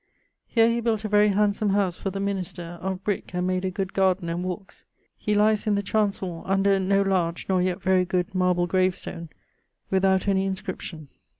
Here he built a very handsome howse for the minister, of brick, and made a good garden and walkes. He lyes in the chancell, under no large, nor yet very good, marble grave stone, without any inscription.